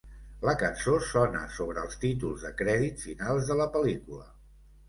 La cançó sona sobre els títols de crèdit finals de la pel·lícula.